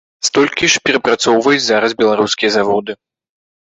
Столькі ж перапрацоўваюць зараз беларускія заводы.